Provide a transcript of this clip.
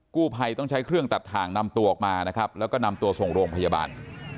กู้ภัยต้องใช้เครื่องตัดทางนำตัวออกมาและนำตัวขนต่อส่งโรงพยาบาล